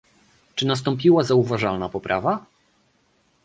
Czy nastąpiła zauważalna poprawa?